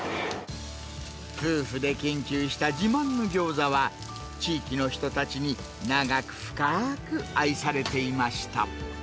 夫婦で研究した自慢のギョーザは、地域の人たちに、長く深く愛されていました。